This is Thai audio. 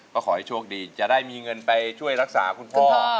ก็ขอให้โชคดีจะได้มีเงินไปช่วยรักษาคุณพ่อ